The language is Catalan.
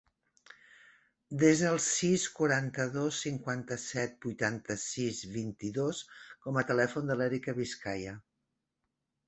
Desa el sis, quaranta-dos, cinquanta-set, vuitanta-sis, vint-i-dos com a telèfon de l'Erica Vizcaya.